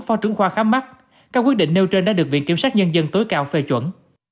phó trưởng khoa khám mắt các quyết định nêu trên đã được viện kiểm sát nhân dân tối cao phê chuẩn